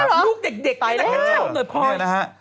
ตัวแค่นี้หรอลูกเด็กตายแล้ว